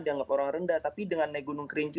dianggap orang rendah tapi dengan naik gunung kerinci